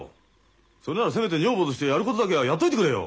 それならせめて女房としてやることだけはやっといてくれよ！